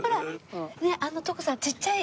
ねえあの徳さんちっちゃい。